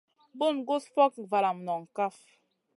Bun gus fokŋa valam noŋ kaf.